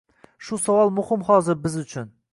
Shu savol muhim hozir biz uchun.